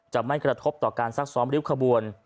จะไม่กระทบต่อการซักซ้อมริ้วขบวน